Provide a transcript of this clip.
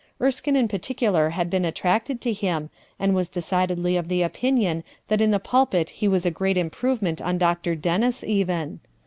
Erskine in particular had been attracted to Mm, and was decidedly of the opinion that in the pulpit he was a great improvement on Dr. Dennis, even.